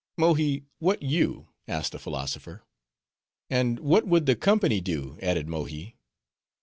"Mohi, what you?" asked the philosopher. "And what would the company do?" added Mohi.